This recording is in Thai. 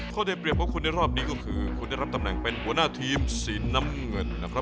ได้เปรียบของคุณในรอบนี้ก็คือคุณได้รับตำแหน่งเป็นหัวหน้าทีมสีน้ำเงินนะครับ